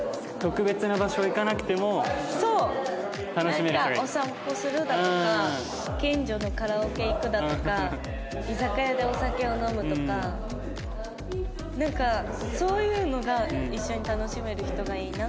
なんかお散歩するだとか近所のカラオケ行くだとか居酒屋でお酒を飲むとかなんかそういうのが一緒に楽しめる人がいいな。